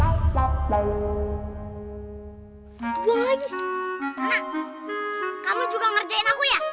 anak kamu juga ngerjain aku ya